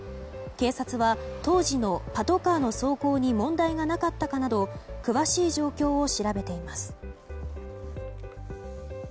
警察は、当時のパトカーの走行に問題がなかったかなど詳しい状況を調べています。